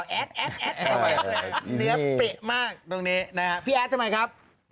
เบ๊ะมากตรงนี้นะพี่แอดทำไมครับ